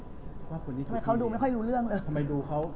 ทำไมเขาดูไม่ค่อยรู้เรื่องเลย